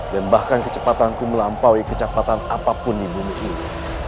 dan bahkan kecepatanku melampaui kecepatan apapun di bumi ini